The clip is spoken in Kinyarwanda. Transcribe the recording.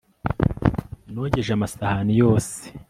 nogeje amasahani yose